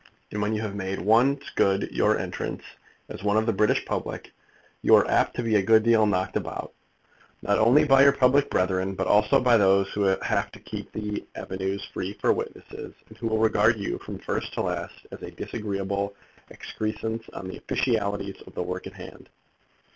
And when you have made once good your entrance as one of the British public, you are apt to be a good deal knocked about, not only by your public brethren, but also by those who have to keep the avenues free for witnesses, and who will regard you from first to last as a disagreeable excrescence on the officialities of the work on hand.